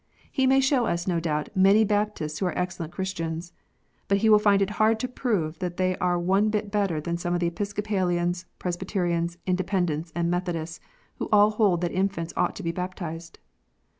He may show us, no doubt, many Baptists who are excellent Christians. But he will find it hard to prove that they are one bit better than some of the Episcopalians, Presbyterians, Independents, and Methodists, who all hold that infants ought to be baptized.